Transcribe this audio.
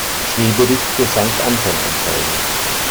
Schneebericht für Sankt Anton anzeigen.